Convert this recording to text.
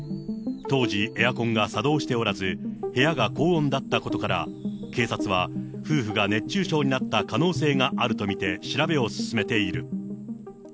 当時、エアコンが作動しておらず、部屋が高温だったことから、警察は夫婦が熱中症になった可能性があると見て調べを進めている。